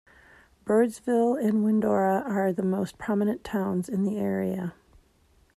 Birdsville and Windorah are the most prominent towns in the area.